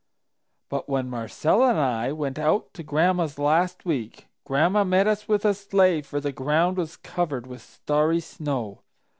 But when Marcella and I went out to Gran'ma's, last week, Gran'ma met us with a sleigh, for the ground was covered with starry snow.